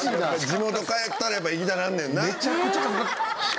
地元帰ったらやっぱり行きたなるねんな。